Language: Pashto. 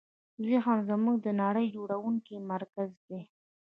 ذهن زموږ د نړۍ جوړوونکی مرکز دی.